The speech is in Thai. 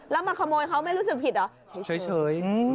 แล้วมาขโมยเขาไม่รู้สึกผิดเหรอเฉย